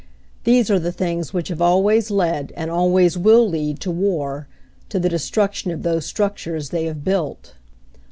These are the things which always have led, and always will lead, to war, to the destruction of those struc tures they have built.